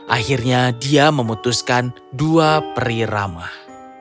akhirnya dia memutuskan dua peri ramah